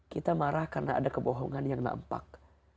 kita marah karena ada kebohongan yang nampak